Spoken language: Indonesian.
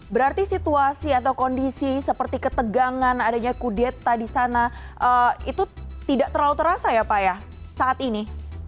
berarti situasi atau kondisi seperti ketegangan adanya kudeta di sana itu tidak terlalu terasa ya pak ya saat ini